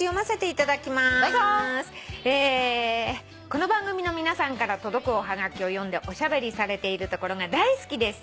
「この番組の皆さんから届くおはがきを読んでおしゃべりされているところが大好きです」